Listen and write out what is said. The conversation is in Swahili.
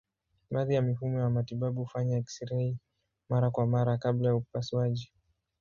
Baadhi ya mifumo ya matibabu hufanya eksirei mara kwa mara kabla ya upasuaji.